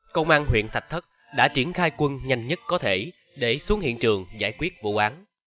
công an huyện thạch thất đã triển khai quân nhanh nhất có thể để xuống hiện trường giải quyết vụ án